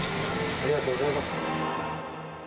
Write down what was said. ありがとうございます。